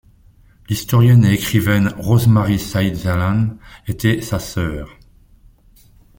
L'historienne et écrivaine Rosemarie Said Zahlan était sa sœur.